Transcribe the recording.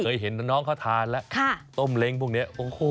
เห็นน้องเขาทานแล้วต้มเล้งพวกนี้โอ้โห